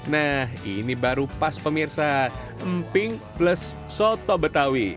nah ini baru pas pemirsa emping plus soto betawi